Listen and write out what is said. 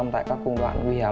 tại các khung đoạn nguy hiểm